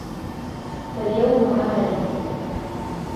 وَالْيَوْمُ عَمَلٌ